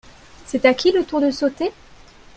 C'est à qui le tour de sauter ?